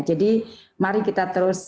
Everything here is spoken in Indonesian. jadi mari kita terus